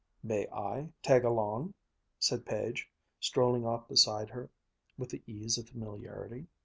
"May I tag along?" said Page, strolling off beside her with the ease of familiarity.